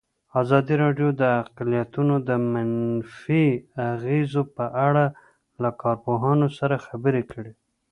ازادي راډیو د اقلیتونه د منفي اغېزو په اړه له کارپوهانو سره خبرې کړي.